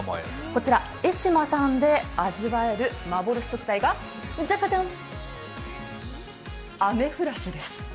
こちら絵島さんで味わえる幻食材がこちら、アメフラシです。